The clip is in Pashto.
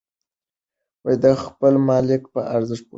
د خپل ملک په اړه پوښتنه وکړه.